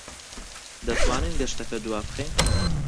دەتوانین گەشتەکە دوابخەین؟